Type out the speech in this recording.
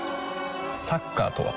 サッカーとは？